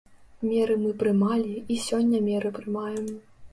Меры мы прымалі, і сёння меры прымаем.